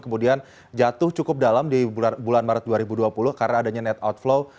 kemudian jatuh cukup dalam di bulan maret dua ribu dua puluh karena adanya net outflow